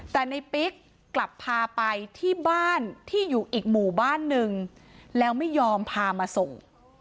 แต่ในปิ๊กกลับพาไปที่บ้านที่อยู่อีกหมู่บ้านนึงแล้วไม่ยอมพามาส่ง